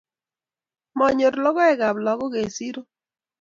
Manyor lokoek ab lakok eng siro